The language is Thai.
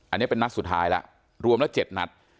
อันนี้เป็นนัดสุดท้ายแล้วรวมแล้ว๗นัด